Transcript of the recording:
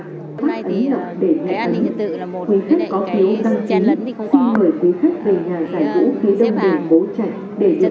hôm nay thì cái an ninh trật tự là một cái chen lấn thì không có